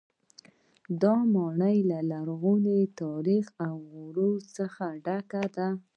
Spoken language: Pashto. دا ماڼۍ له لرغوني تاریخ او غرور څخه ډکه ده.